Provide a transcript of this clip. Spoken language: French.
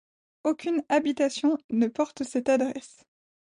Aucune habitation ne porte cette adresse.